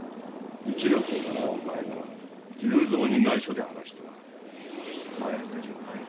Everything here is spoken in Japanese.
一の子分のお前が竜蔵に内緒で話とはおだやかじゃないねえ。